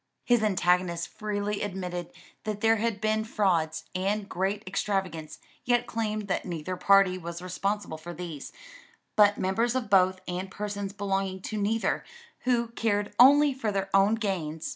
His antagonists freely admitted that there had been frauds and great extravagance, yet claimed that neither party was responsible for these, but members of both and persons belonging to neither who cared only for their own gains.